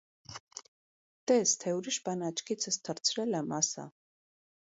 - Տես, թե ուրիշ բան աչքիցս թռցրել եմ, ասա: